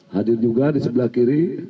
hadir juga di sebelah kiri